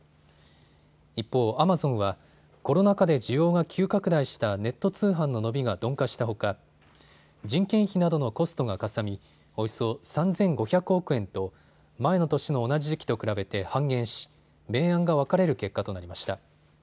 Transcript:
一方、アマゾンはコロナ禍で需要が急拡大したネット通販の伸びが鈍化したほか人件費などのコストがかさみおよそ３５００億円と前の年の同じ時期と比べて半減し明暗が分かれる結果となりました。